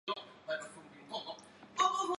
大工町是一个日本的常见地名。